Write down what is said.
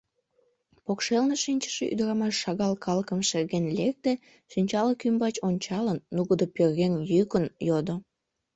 Покшелне шинчыше ӱдырамаш шагал калыкым шерген лекте, шинчалык ӱмбач ончалын, нугыдо пӧръеҥ йӱкын йодо: